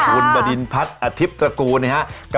คุณบดินพัฒน์อธิบตระกูลนะครับ